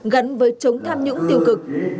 gắn với chống tham nhũng tiêu cực